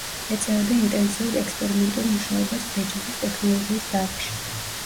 ეწეოდა ინტენსიურ ექსპერიმენტულ მუშაობას ბეჭდვის ტექნოლოგიის დარგში.